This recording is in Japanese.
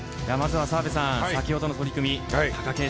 まずは澤部さん先ほどの取組